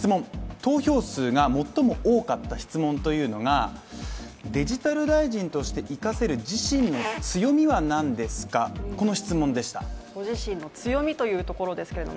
投票数が最も多かった質問というのが、デジタル大臣として生かせる自身の強みは何ですか、この質問でした。